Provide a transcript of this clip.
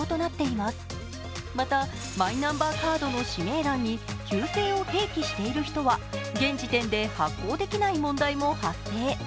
またマイナンバーカードの氏名欄に旧姓を併記している人は現時点で発行できない問題も発生。